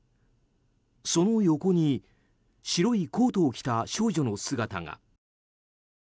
その横に白いコートを着た少女の姿が。